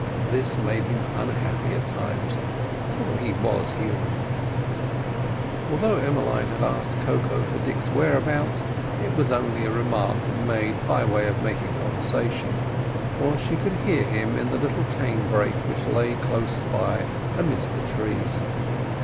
This made him unhappy at times, for he was human. Though Emmeline had asked Koko for Dick's whereabouts, it was only a remark made by way of making conversation, for she could hear him in the little cane brake which lay close by amidst the trees.